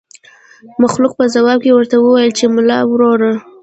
مخلوق په ځواب کې ورته وويل چې ملا وروره.